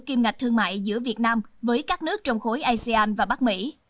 kim ngạch thương mại giữa việt nam với các nước trong khối asean và bắc mỹ